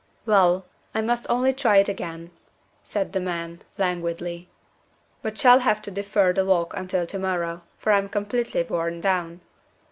"Well, I must only try it again," said the man, languidly; "but shall have to defer the walk until to morrow, for I'm completely worn down."